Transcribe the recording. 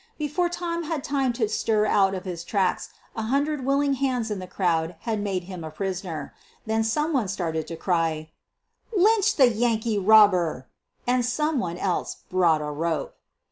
Before Tom had time to stir out of his tracks a hundred willing hands in the crowd had made him a prisoner — then some one started the cry, " Lynch the Yankee robber !" and some one else brought a rope.